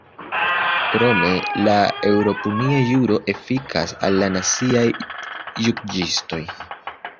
Krome, la eŭropunia juro efikas al la naciaj juĝistoj.